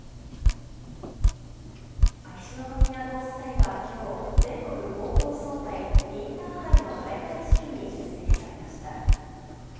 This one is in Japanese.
秋篠宮ご夫妻はきょう、全国高校総体・インターハイの開会式に出席されました。